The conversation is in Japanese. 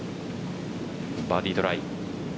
バーディートライ。